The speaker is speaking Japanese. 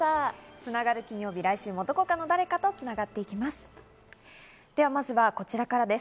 つながる金曜日、来週もどこかの誰かとつながっていきます。